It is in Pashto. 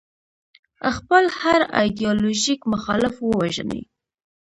خپل هر ایدیالوژیک مخالف ووژني.